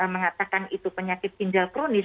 mengatakan itu penyakit ginjal kronis